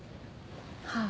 はあ。